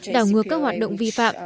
đảo ngược các hoạt động vi phạm